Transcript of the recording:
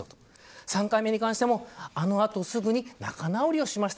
３回目に関してもあの後すぐに仲直りしました。